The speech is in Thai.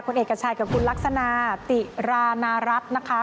คุณเอกชัยกับคุณลักษณะติราณรัฐนะคะ